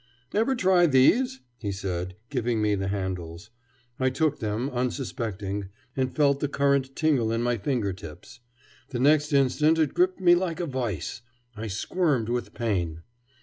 "Ever try these?" he said, giving me the handles. I took them, unsuspecting, and felt the current tingle in my finger tips. The next instant it gripped me like a vice. I squirmed with pain.